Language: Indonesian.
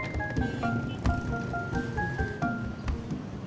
makasih ya pak